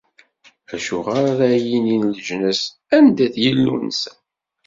Acuɣer ara yinin leǧnas: Anda-t Yillu-nsen?